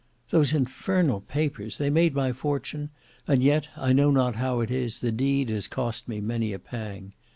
"Those infernal papers! They made my fortune—and yet, I know not how it is, the deed has cost me many a pang.